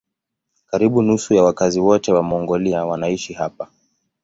Karibu nusu ya wakazi wote wa Mongolia wanaishi hapa.